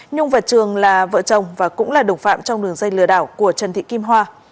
nhung và trường là vợ chồng và cũng là đồng phạm trong đường dây lừa đảo của trần thị kim hoa